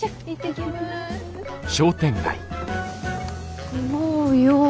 住もうよ。